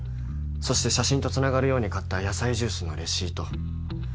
そして写真とつながるように買った野菜ジュースのレシート。